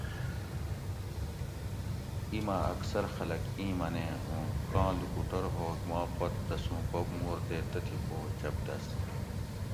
موں اِیماۤ اکثر خلک اِیں منیں اُوں کاں لوکوٹور ہوگ ما پت تسوں بوب مور تے تتھی پو چبدس